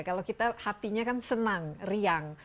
kalau kita hatinya kan senang riang